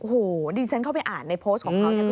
โอ้โหดิฉันเข้าไปอ่านในโพสต์ของเขาเนี่ย